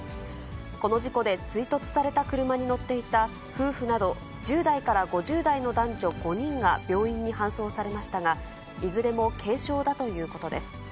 この事故で、追突された車に乗っていた夫婦など１０代から５０代の男女５人が病院に搬送されましたが、いずれも軽傷だということです。